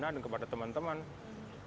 kalau tidak salah terjemahan sudah ada